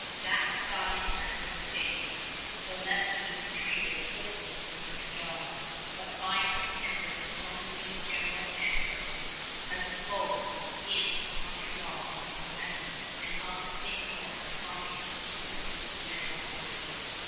That decided Canada's fate. De Lévis retreated swiftly for Montreal, but by September the slow moving General Amherst has closed in on Montreal from the west, and up the St. Lawrence from the east proceeds General Murray.